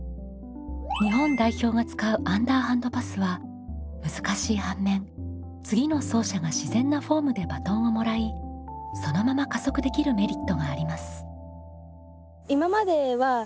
日本代表が使うアンダーハンドパスは難しい反面次の走者が自然なフォームでバトンをもらいそのまま加速できるメリットがあります。